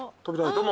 どうも。